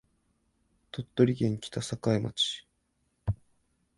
鳥取県北栄町